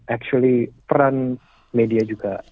actually peran media juga